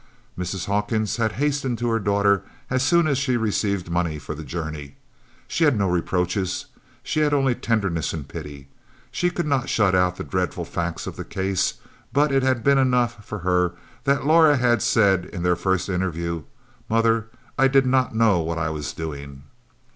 Mrs. Hawkins had hastened to her daughter as soon as she received money for the journey. She had no reproaches, she had only tenderness and pity. She could not shut out the dreadful facts of the case, but it had been enough for her that Laura had said, in their first interview, "mother, I did not know what I was doing."